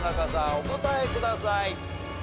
お答えください。